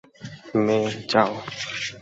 মে, যাও।